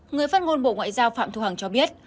người phát ngôn bộ ngoại giao phạm thu hằng cho biết